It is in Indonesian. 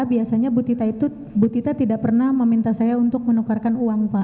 biasanya bu tita tidak pernah meminta saya untuk menukarkan uang pak